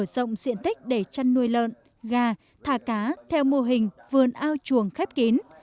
để tạo ra một sản dụng diện tích để chăn nuôi lợn gà thả cá theo mô hình vườn ao chuồng khép kín